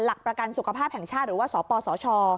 หลักประกันสุขภาพแห่งชาติหรือว่าสปสช